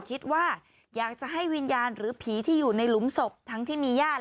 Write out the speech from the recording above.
คิดว่าอยากจะให้วิญญาณหรือผีที่อยู่ในหลุมศพทั้งที่มีญาติ